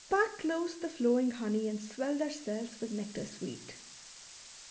pack close the flowing honey. And swell their cells with nectar sweet."